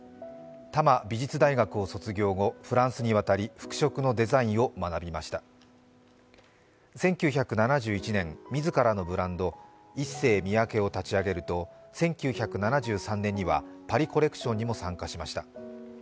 多摩美術大学を卒業後、フランスに渡り服飾のデザインを学びました１９７１年、自らのブランド、ＩＳＳＥＹＭＩＹＡＫＥを立ち上げると１９７３年には、パリコレクションにも参加しました。